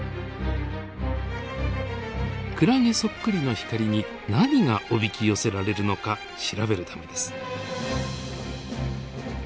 クラゲそっくりの光に何がおびき寄せられるのか調べるためです。